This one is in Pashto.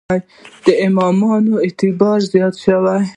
د امامانو اعتبار زیات شي.